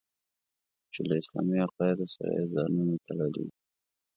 چې له اسلامي عقایدو سره یې ځانونه تړلي وو.